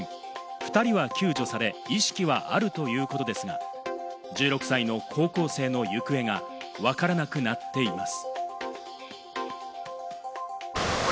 ２人は救助され、意識はあるということですが、１６歳の高校生の行方がわからなくなっています。